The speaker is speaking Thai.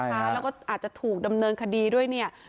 แล้วก็อาจจะถูกดำเนินคดีด้วยเนี่ย